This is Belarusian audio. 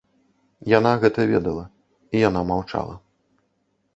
Яна гэта ведала, і яна маўчала.